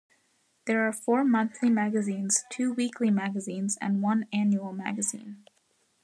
There are four monthly magazines, two weekly magazines and one annual magazine.